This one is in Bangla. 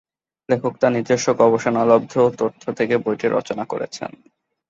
লেখক তার নিজস্ব গবেষণালব্ধ তথ্য থেকে বইটি রচনা করেছেন।